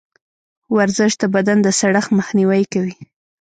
ورزش د بدن د سړښت مخنیوی کوي.